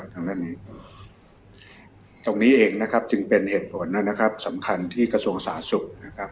ตรงนี้เองจึงเป็นเหตุผลสำคัญที่กระทรวงศาสุข